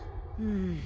うん。